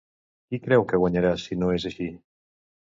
Qui creu que guanyarà si no és així?